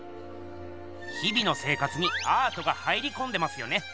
日々の生活にアートが入りこんでますよね。